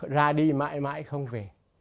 ra đi mãi mãi không về